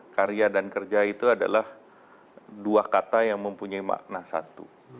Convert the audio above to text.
karya dan kerja itu adalah dua kata yang mempunyai makna satu